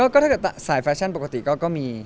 ก็ถ้าเกิดสายแฟชั่นปกติก็มี